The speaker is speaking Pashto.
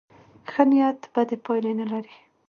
ښه نیت بدې پایلې نه لري.